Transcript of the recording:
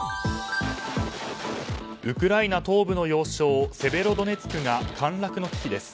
ウクライナ東部の要衝セベロドネツクが陥落の危機です。